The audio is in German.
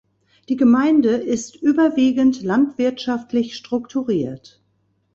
Die Gemeinde ist überwiegend landwirtschaftlich strukturiert.